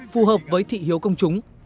phù hợp với thị hiếu công chúng